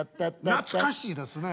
懐かしいですね。